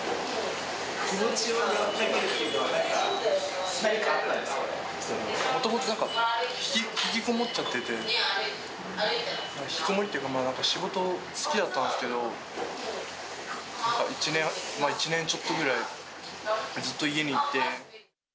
気持ちを和らげるっていうのもともとなんか、引きこもっちゃってて、引きこもりっていうか、仕事は好きだったんですけど、なんか１年ちょっとぐらい、ずっと家にいて。